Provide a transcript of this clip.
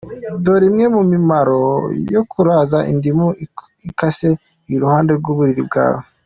Dore imwe mu mimaro yo kuraza indimu ikase iruhande rw’uburiri bwawe:.